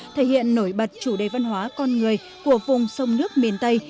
thể hiện nổi bật chủ đề văn hóa con người của vùng sông nước miền tây